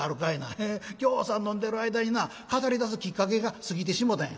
「ぎょうさん飲んでる間にな語りだすきっかけが過ぎてしもたんや」。